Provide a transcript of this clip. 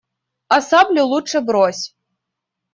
А саблю лучше брось.